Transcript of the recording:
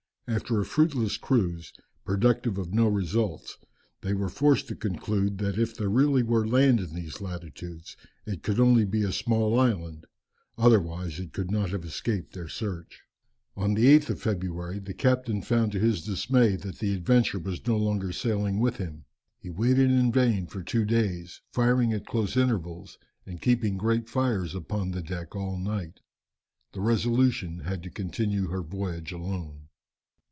After a fruitless cruise, productive of no results, they were forced to conclude, that if there really were land in these latitudes it could only be a small island, otherwise it could not have escaped their search. [Illustration: New Zealand war canoe. (Fac simile of early engraving.)] On the 8th of February, the captain found to his dismay that the Adventure was no longer sailing with him. He waited in vain for two days, firing at close intervals and keeping great fires upon the deck all night. The Resolution had to continue her voyage alone.